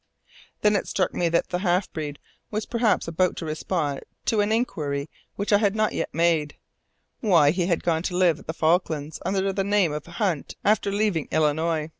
Then it struck me that the half breed was perhaps about to respond to an inquiry which I had not yet made why he had gone to live at the Falklands under the name of Hunt after leaving Illinois?